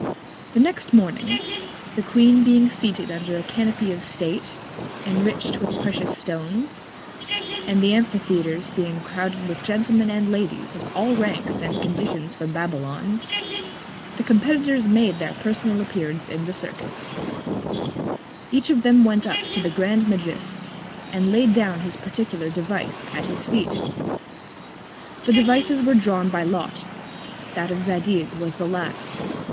The next Morning the Queen being seated under a Canopy of State, enrich'd with precious Stones; and the Amphitheatres being crowded with Gentlemen and Ladies of all Ranks and Conditions from Babylon; the Competitors made their personal Appearance in the Circus: Each of them went up to the grand Magus, and laid down his particular Device at his Feet. The Devices were drawn by Lot: That of Zadig was the last.